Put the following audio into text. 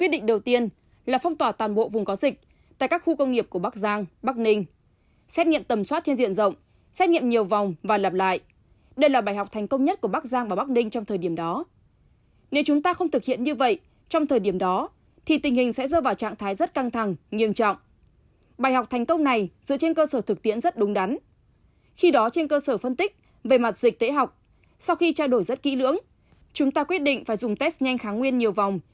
dịch tễ học sau khi trao đổi rất kỹ lưỡng chúng ta quyết định phải dùng test nhanh kháng nguyên nhiều vòng